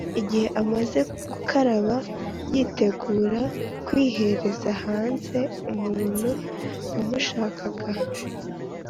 igihe amaze gukaraba yitegura kwihereza haze umuntuwamushakaga.